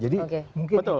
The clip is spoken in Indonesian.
jadi mungkin itu